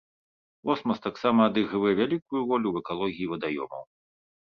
Осмас таксама адыгрывае вялікую ролю ў экалогіі вадаёмаў.